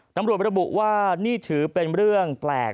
ตำรวจระบุว่านี่ถือเป็นเรื่องแปลก